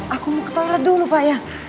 aku mau ke toilet dulu pak ya